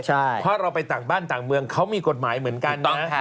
เพราะเราไปต่างบ้านต่างเมืองเขามีกฎหมายเหมือนกันนะ